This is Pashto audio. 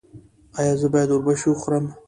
ایا زه باید اوربشې وخورم؟